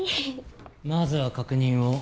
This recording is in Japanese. まずは確認を。